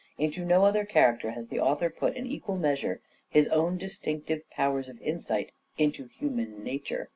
Into no other character has the author put an equal measure his own distinctive powers of insight into human nature.